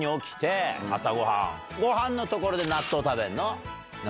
ごはんのところで納豆食べるの？